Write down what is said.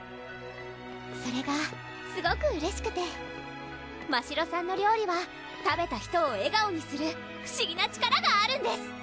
それがすごくうれしくてましろさんの料理は食べた人を笑顔にする不思議な力があるんです！